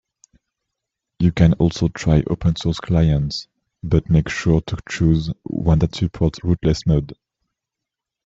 You can also try open source clients, but make sure to choose one that supports rootless mode.